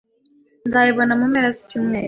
Nzayibona mu mpera zicyumweru.